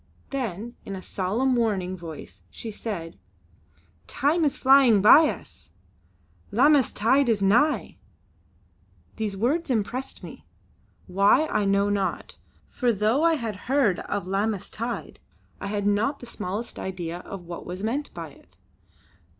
Then in a solemn warning voice she said: "Time is flying by us; Lammas tide is nigh." The words impressed me, why I know not; for though I had heard of Lammas tide I had not the smallest idea of what was meant by it.